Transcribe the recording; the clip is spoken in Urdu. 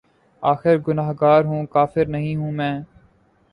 آخر گناہگار ہوں‘ کافر نہیں ہوں میں